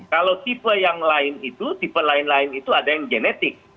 kalau tipe yang lain itu tipe lain lain itu ada yang genetik